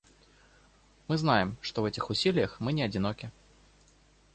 Мы знаем, что в этих усилиях мы не одиноки.